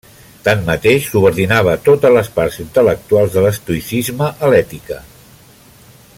Tanmateix, subordinava totes les parts intel·lectuals de l'estoïcisme a l'ètica.